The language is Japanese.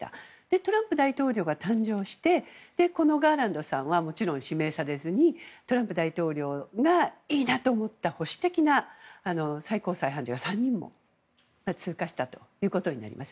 トランプ大統領が誕生してガーランドさんはもちろん指名されずにトランプ大統領がいいなと思った保守的な最高裁判事が３人も通過したということになります。